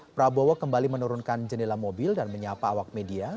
prabowo kembali menurunkan jendela mobil dan menyapa awak media